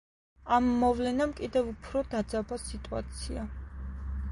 ამ მოვლენამ კიდევ უფრო დაძაბა სიტუაცია.